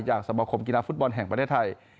จากสมบัติของกินลาฟุตบอลแห่งประเทศไทย